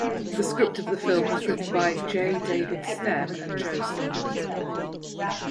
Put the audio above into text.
The script of the film was written by J. David Stem and Joe Stillman.